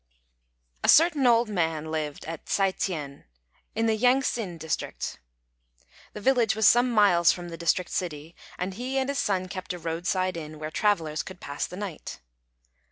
A certain old man lived at Ts'ai tien, in the Yang hsin district. The village was some miles from the district city, and he and his son kept a roadside inn where travellers could pass the night.